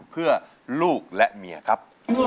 เพื่อลูกและเมียครับ